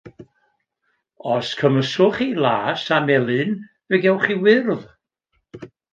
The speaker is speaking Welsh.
Os cymysgwch chi las a melyn fe gewch chi wyrdd.